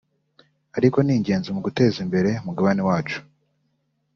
ariko ni ingenzi mu guteza imbere umugabane wacu